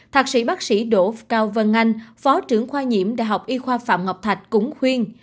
thạc sĩ bác sĩ đỗ cao vân anh phó trưởng khoa nhiễm đại học y khoa phạm ngọc thạch cũng khuyên